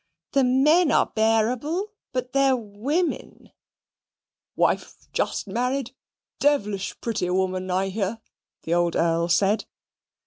"The men are bearable, but their women " "Wife, just married, dev'lish pretty woman, I hear," the old Earl said.